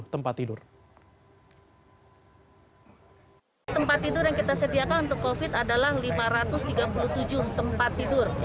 tempat tidur yang kita sediakan untuk covid adalah lima ratus tiga puluh tujuh tempat tidur